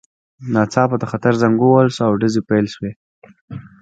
ناڅاپه د خطر زنګ ووهل شو او ډزې پیل شوې